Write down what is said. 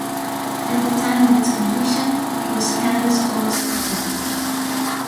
At the time of its completion it was Canada's tallest hotel.